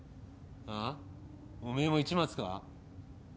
おめえも市松か？